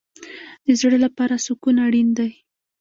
د زړه لپاره سکون اړین دی